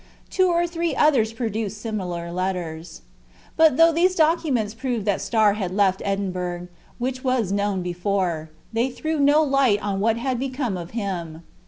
Two or three others produced similar letters. But though these documents proved that Starr had left Edinburgh—which was known before—they threw no light on what had become of him.